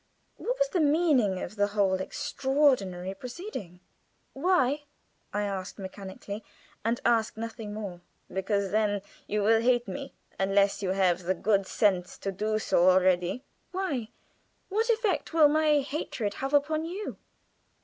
What was the meaning of the whole extraordinary proceeding? "Why?" I asked, mechanically, and asked nothing more. "Because then you will hate me, unless you have the good sense to do so already." "Why? What effect will my hatred have upon you?"